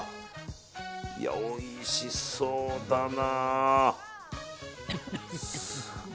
いや、おいしそうだな。